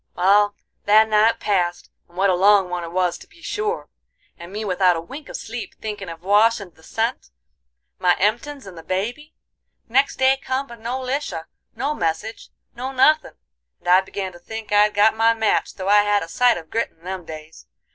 "Wal, that night passed, and what a long one it was to be sure! and me without a wink of sleep, thinkin' of Wash and the cent, my emptins and the baby. Next day come, but no Lisha, no message, no nuthin', and I began to think I'd got my match though I had a sight of grit in them days.